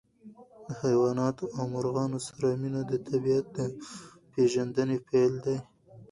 د حیواناتو او مرغانو سره مینه د طبیعت د پېژندنې پیل دی.